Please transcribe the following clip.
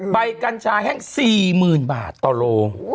กัญชาแห้ง๔๐๐๐บาทต่อโล